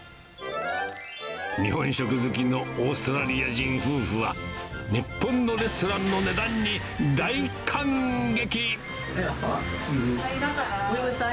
日本食好きのオーストラリア人夫婦は、日本のレストランの値段に大感激。